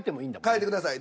変えてください。